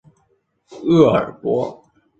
厄尔伯。